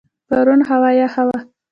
پرون هوا یخه وه.